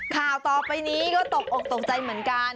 ข่าวต่อไปนี้ก็ตกอกตกใจเหมือนกัน